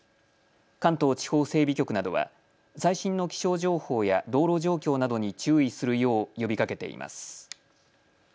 関東地方整備局などは最新の気象情報や道路状況などに注意するよう呼びかけています。